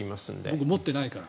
僕持ってないから。